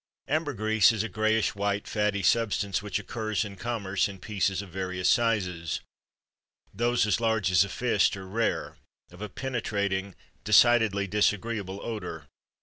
Ambergris is a grayish white fatty substance which occurs in commerce in pieces of various sizes—those as large as a fist are rare—of a penetrating, decidedly disagreeable odor.